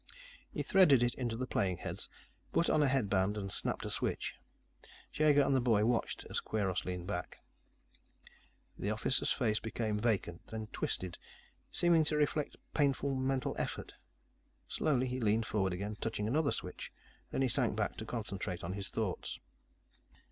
He threaded it into the playing heads, put on a headband, and snapped a switch. Jaeger and the boy watched as Kweiros leaned back. The officer's face became vacant, then twisted, seeming to reflect painful mental effort. Slowly, he leaned forward again, touching another switch. Then, he sank back, to concentrate on his thoughts.